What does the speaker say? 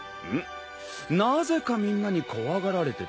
なぜかみんなに怖がられててな。